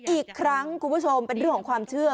อีกครั้งคุณผู้ชมเป็นเรื่องของความเชื่อ